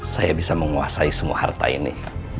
saya bisa menguasai semua harta ini